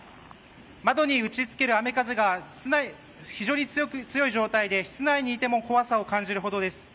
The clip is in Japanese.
窓に打ち付ける雨風が非常に強い状態で室内にいても怖さを感じるほどです。